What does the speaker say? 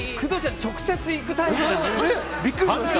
直接いくタイプの。